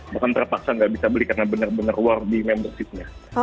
bukan terpaksa nggak bisa beli karena bener bener award di membershipnya